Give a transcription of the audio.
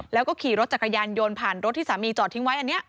แล้วก็ขี่รถจักรยานยนต์ผ่านรถที่สามีจอดทิ้งไว้อันนี้